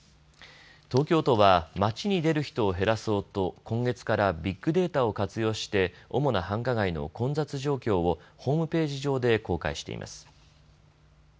東京都は街に出る人を減らそうと今月からビッグデータを活用して主な繁華街の混雑状況をホームページ上で公開しています。